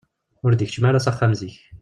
Ur d-ikeččem ara s axxam zik.